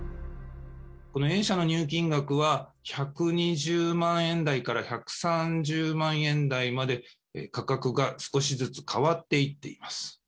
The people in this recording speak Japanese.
このＡ社の入金額は１２０万円台から１３０万円台まで、価格が少しずつ変わっていっています。